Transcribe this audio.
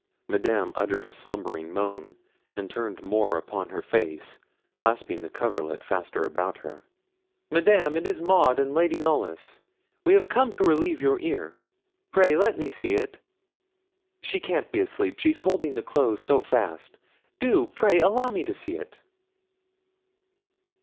Madame uttered a slumbering moan, and turned more upon her face, clasping the coverlet faster about her. 'Madame, it is Maud and Lady Knollys. We have come to relieve your ear. Pray let me see it. She can't be asleep, she's holding the clothes so fast. Do, pray, allow me to see it.'